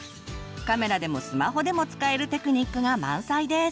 カメラでもスマホでも使えるテクニックが満載です！